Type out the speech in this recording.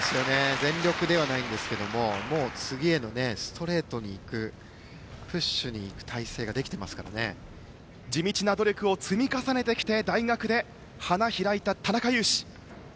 全力ではないんですけども次へのストレートにいくプッシュにいく体勢が地道な努力を積み重ねてきて大学で花開いた田中湧士。